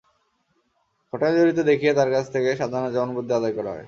ঘটনায় জড়িত দেখিয়ে তাঁর কাছ থেকে সাজানো জবানবন্দি আদায় করা হয়।